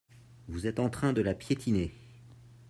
Vous êtes en train de la piétiner.